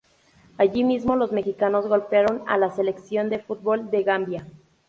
Allí mismo los mexicanos golearon a la Selección de fútbol de Gambia.